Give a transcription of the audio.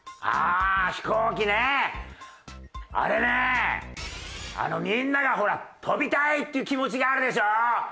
あれねみんながほら飛びたいっていう気持ちがあるでしょ？